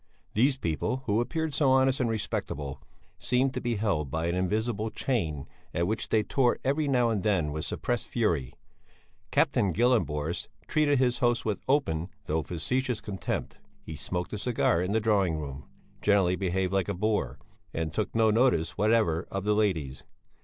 These people, who appeared so honest and respectable, seemed to be held by an invisible chain at which they tore every now and then with suppressed fury. Captain Gyllenborst treated his host with open, though facetious contempt. He smoked a cigar in the drawing room, generally behaved like a boor, and took no notice whatever of the ladies.